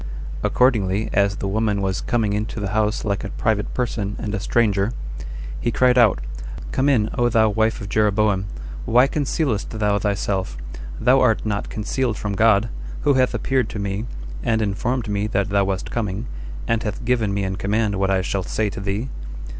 Accordingly, as the woman was coming into the house like a private person and a stranger, he cried out, "Come in, O thou wife of Jeroboam! Why concealest thou thyself? Thou art not concealed from God, who hath appeared to me, and informed me that thou wast coming, and hath given me in command what I shall say to thee."